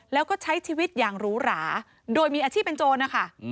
แล้วก็ใช้ชีวิตอย่างหรูหราโดยมีอาชีพเป็นโจรนะคะ